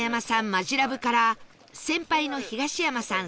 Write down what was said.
マヂラブから先輩の東山さん